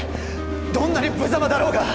どんなにぶざまだろうが